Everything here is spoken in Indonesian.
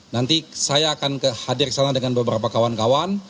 nanti saya akan hadir ke sana dengan beberapa kawan kawan